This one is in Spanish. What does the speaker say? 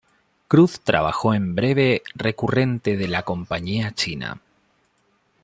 Cruz trabajó en breve recurrente de la compañía china.